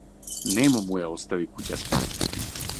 Нему му ја остави куќата.